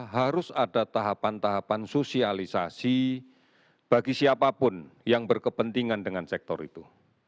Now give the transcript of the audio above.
harus ada tahapan tahapan sosialisasi bagi siapapun yang berkepentingan dengan sektor itu